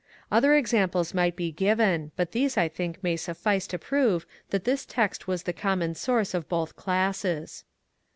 Other examples might be given, but these I think may suffice to prove that this Text was the common source of both classes.